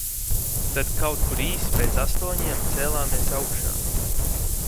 Tad kaut kur īsi pēc astoņiem cēlāmies augšā.